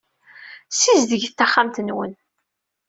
Ssizedget taxxamt-nwen.